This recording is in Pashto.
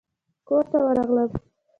کورته ورغلم.